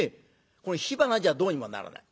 これ火花じゃどうにもならない。